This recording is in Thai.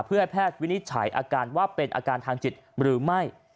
เพื่อให้แพทย์วินิจฉัยอาการว่าเป็นอาการทางจิตหรือไม่